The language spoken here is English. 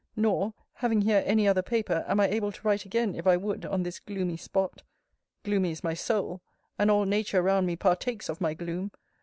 Nor, having here any other paper, am I able to write again, if I would, on this gloomy spot. (Gloomy is my soul; and all Nature around me partakes of my gloom!)